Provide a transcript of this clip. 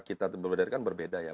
tapi antara kita berbeda kan berbeda ya